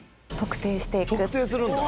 特定するんだ。